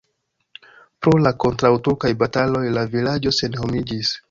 Pro la kontraŭturkaj bataloj la vilaĝo senhomiĝis.